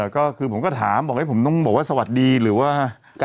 ก็คือผมก็ถามบอกผมต้องบอกว่าสวัสดีหรือว่า